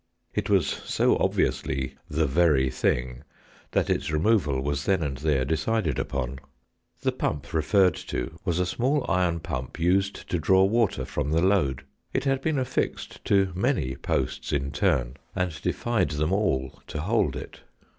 It was so obviously " the very thing " that its removal was'then and there decided upon. The pump referred to was a small iron pump used to draw water from the lode. It had been affixed to many posts in turn, and defied 106 THE BOCKBET. them all to hold it.